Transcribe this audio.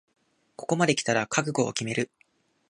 ここまできたら覚悟を決める